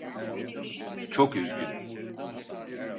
Çok üzgün.